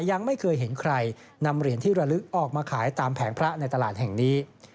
ยังไม่เคยเห็นใครนำเหรียญที่ระลึกออกมาขายตามแผงพระในตลาดแห่งนี้